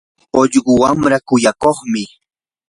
ullqu wamraa kuyakuqmi.